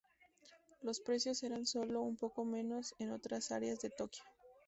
Los precios eran sólo un poco menos en otras áreas de Tokio.